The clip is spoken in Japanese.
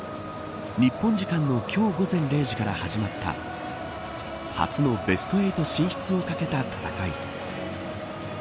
日本時間の今日午前０時から始まった初のベスト８進出を懸けた戦い。